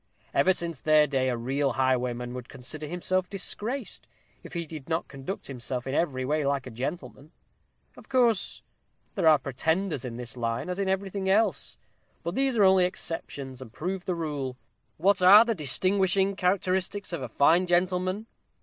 Ever since their day a real highwayman would consider himself disgraced, if he did not conduct himself in every way like a gentleman. Of course, there are pretenders in this line, as in everything else. But these are only exceptions, and prove the rule. What are the distinguishing characteristics of a fine gentleman?